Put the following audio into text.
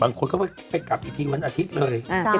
บางคนก็ไปกลับอีกทีวันอาทิตย์เลย